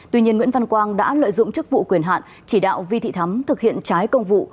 tuy nhiên nguyễn văn quang đã lợi dụng chức vụ quyền hạn chỉ đạo vi thị thắm thực hiện trái công vụ